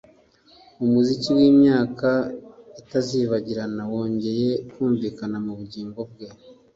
Umuziki wimyaka itazibagirana wongeye kumvikana mubugingo bwe